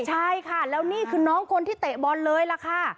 ใช่ค่ะแล้วนี่คือน้องคนที่เตะบอลเลยล่ะค่ะ